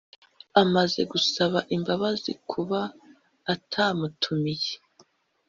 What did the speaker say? amaze gusaba imbabazi kuba atamutumiye